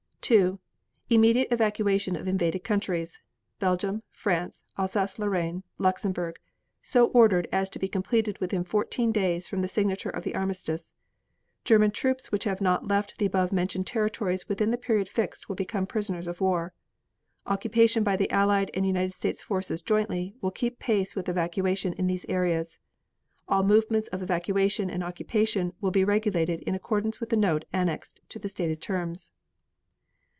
2. Immediate evacuation of invaded countries: Belgium, France, Alsace Lorraine, Luxemburg, so ordered as to be completed within fourteen days from the signature of the armistice. German troops which have not left the above mentioned territories within the period fixed will become prisoners of war. Occupation by the Allied and United States forces jointly will keep pace with evacuation in these areas. All movements of evacuation and occupation will be regulated in accordance with a note annexed to the stated terms.